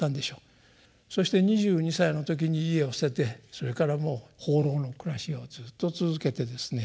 そして２２歳の時に家を捨ててそれから放浪の暮らしをずっと続けてですね